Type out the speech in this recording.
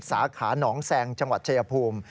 สาขาหนองแซงจังหวัดชายภูมิ